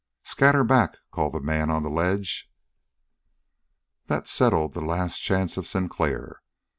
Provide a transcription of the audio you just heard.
"Scatter back!" called the man on the ledge. That settled the last chance of Sinclair.